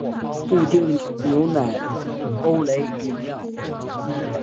布丁牛奶欧蕾饮料